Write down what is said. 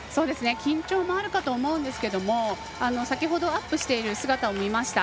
緊張もあるかと思うんですが先ほどアップしている姿を見ました。